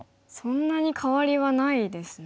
そんなに変わりはないですね。